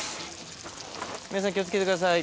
皆さん気を付けてください。